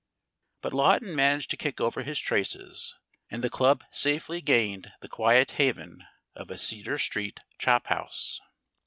But Lawton managed to kick over his traces, and the club safely gained the quiet haven of a Cedar Street chophouse.